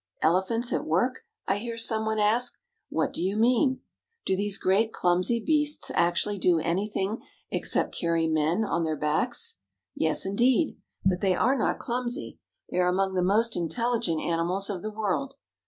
Elephants at work ? I hear some one ask. What do you mean ? Do these great, clumsy beasts actually do any thing except carry men on their backs ? Yes, indeed. But they are not clumsy. They are among the most intelli gent animals of the world.